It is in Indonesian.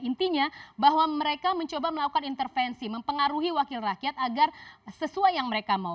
intinya bahwa mereka mencoba melakukan intervensi mempengaruhi wakil rakyat agar sesuai yang mereka mau